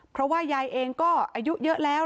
เพราะว่ายายเองก็อายุเยอะแล้ว